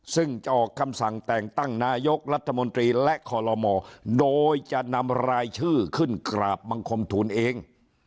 ซึ่งจะออกคำสั่งแต่งตั้งนายกรัฐมนตรีและคอลโลมโดยจะนำรายชื่อขึ้นกราบมังคมทูลเอง